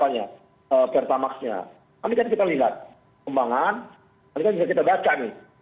nanti kan kita lihat kembangan nanti kan bisa kita baca nih